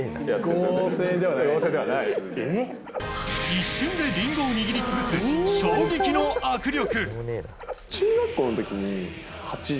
一瞬でリンゴを握り潰す衝撃の握力。